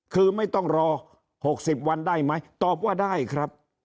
คือไม่ต้องรอ๖๐วันได้ไหมตอบว่าได้ครับ